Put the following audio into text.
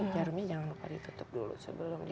jarumnya jangan lupa ditutup dulu sebelum